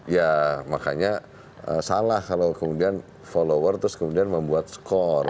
ya makanya salah kalau kemudian follower terus kemudian membuat skor